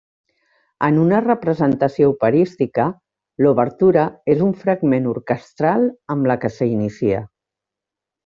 En una representació operística, l'obertura és un fragment orquestral amb la que s'inicia.